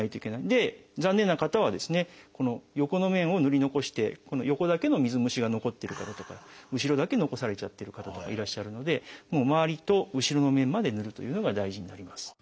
で残念な方はですねこの横の面をぬり残してここの横だけの水虫が残ってる方とか後ろだけ残されちゃってる方とかいらっしゃるので周りと後ろの面までぬるというのが大事になります。